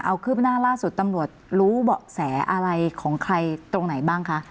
เอาคืบหน้าล่าสุดตำรวจรู้เบาะแสอะไรของใครตรงไหนบ้างคะ